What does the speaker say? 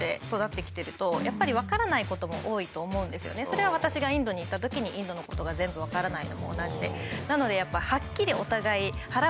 それは私がインドに行ったときにインドのことが全部分からないのと同じで。